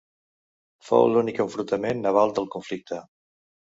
Fou l'únic enfrontament naval del conflicte.